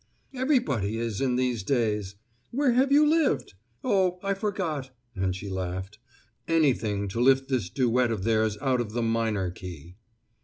"Everybody is in these days. Where have you lived? Oh, I forgot!" And she laughed. Anything to lift this duet of theirs out of the minor key!